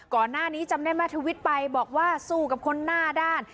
ก่อนหน้านี้จำได้แม่ทวิตไปบอกว่าสู้กับคนหน้าด้าน